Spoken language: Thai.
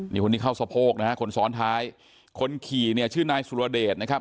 นี่คนนี้เข้าสะโพกนะฮะคนซ้อนท้ายคนขี่เนี่ยชื่อนายสุรเดชนะครับ